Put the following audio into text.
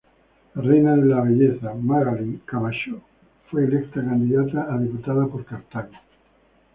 La reina de belleza Magaly Camacho fue electa candidata a diputada por Cartago.